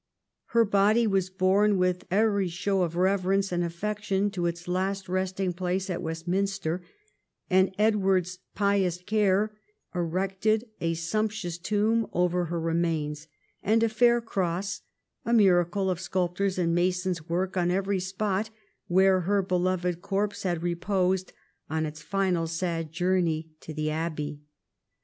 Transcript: Her body was borne with every show of reverence and affection to its last resting place at Westminster, and Edward's pious care erected a sumptuous tomb over her remains, and a fair cross, a miracle of sculptors' and masons' work, on every spot where her beloved corpse had reposed, on its final sad journey to the Abbey.